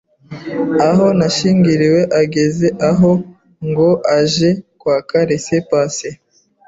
aho nashyingiriwe ageze aho ngo aje kwaka laissez-passer